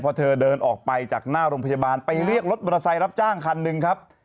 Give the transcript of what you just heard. พอเธอเดินออกไปจากหน้าโรงพยาบาลไปเรียกรถมอเตอร์ไซค์รับจ้างคันหนึ่งครับ